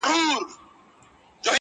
• او مخ اړوي له خبرو تل..